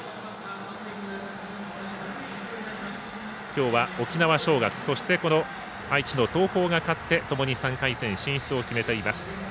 今日は沖縄尚学そして愛知の東邦が勝ってともに３回戦進出を決めています。